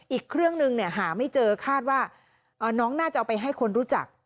อีกเครื่องนึงหาไม่เจอคาดว่าน้องน่าจะเอาไปให้คนรู้จัก